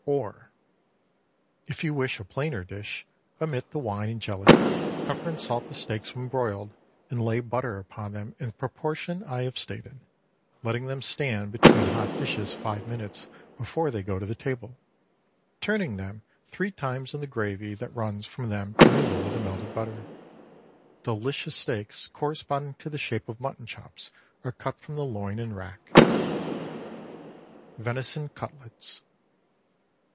Or, If you wish a plainer dish, omit the wine and jelly; pepper and salt the steaks when broiled, and lay butter upon them in the proportion I have stated, letting them stand between hot dishes five minutes before they go to table, turning them three times in the gravy that runs from them to mingle with the melted butter. Delicious steaks corresponding to the shape of mutton chops are cut from the loin and rack. VENISON CUTLETS.